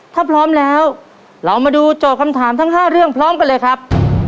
ถ้าพร้อมแล้วเรามาดูโจทย์คำถามทั้ง๕เรื่องพร้อมกันเลยครับ